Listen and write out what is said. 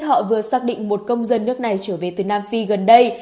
họ vừa xác định một công dân nước này trở về từ nam phi gần đây